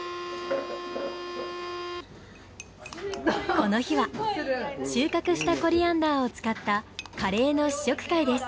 この日は収穫したコリアンダーを使ったカレーの試食会です。